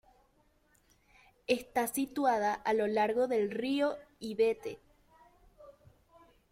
Está situada a lo largo del río Yvette.